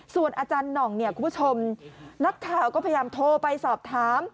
ส่วนอาจารย์หน่องเนี่ยคุณผู้ชมนักข่าวก็พยายามโทรไปสอบถาม